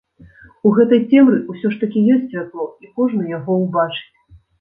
У гэтай цемры ўсё ж такі ёсць святло, і кожны яго ўбачыць.